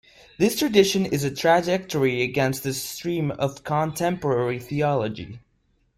This tradition is a trajectory against the stream of contemporary theology.